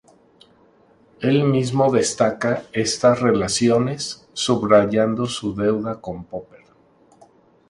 Él mismo destaca estas relaciones subrayando su deuda con Popper.